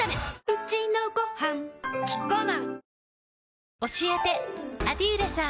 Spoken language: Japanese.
うちのごはんキッコーマン